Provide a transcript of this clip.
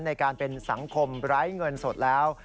ในการเป็นสังคมไร้เงินสดแล้ว